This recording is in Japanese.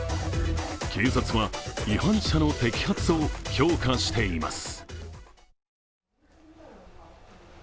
警察は違反者の摘発を強化しています。